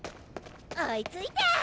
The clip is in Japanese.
おいついた！